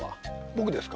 僕ですか？